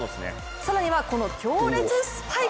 更には、この強烈スパイク。